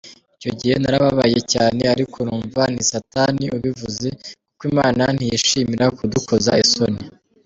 Icyo gihe narababaye cyane ariko numva ni Satani ubivuze kuko Imana ntiyishimira kudukoza isoni.